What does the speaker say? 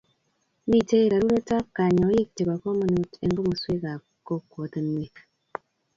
Mitei rarunetab kanyoik chebo komonut eng komosweekab kokwotinweek.